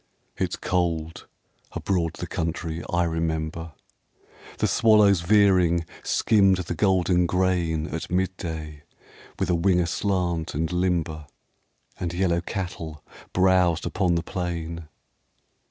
It's cold abroad the country I remember. The swallows veering skimmed the golden grain At midday with a wing aslant and limber; And yellow cattle browsed upon the plain.